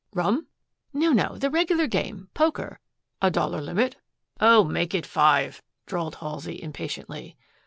"Rum?" "No no. The regular game poker." "A dollar limit?" "Oh, make it five," drawled Halsey impatiently.